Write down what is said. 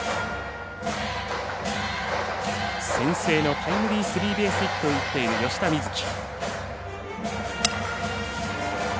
先制のタイムリースリーベースヒットを打っている吉田瑞樹。